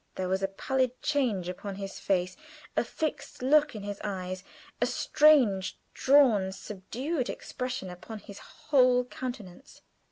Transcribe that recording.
There was a pallid change upon his face, a fixed look in his eyes, a strange, drawn, subdued expression upon his whole countenance.